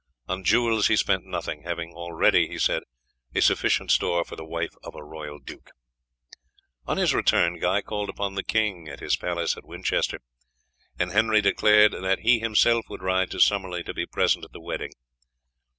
On jewels he spent nothing, having already, he said, "a sufficient store for the wife of a royal duke." On his return Guy called upon the king at his palace at Winchester, and Henry declared that he himself would ride to Summerley to be present at the wedding.